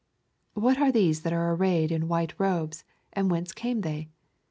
. What are these that are arrayed in white robes, and whence came they?